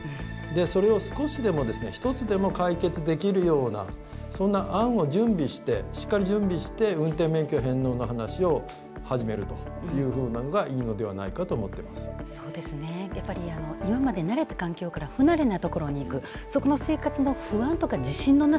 それを少しでもですね一つでも解決できるようなそんな案を準備してしっかり準備して運転免許返納の話を始めるというふうなのがいいのではないかとそうですね、やっぱりこれまで慣れていた環境から不慣れな環境に行く。